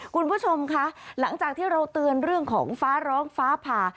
คุณผู้ชมคะหลังจากที่เราเตือนเรื่องของฟ้าร้องฟ้าผ่า